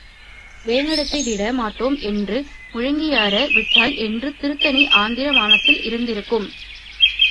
வேங்கடத்தை விட மாட்டோம் என்று முழங்கியிரா விட்டால் இன்று திருத்தணி ஆந்திர மாநிலத்தில் இருந்திருக்கும்.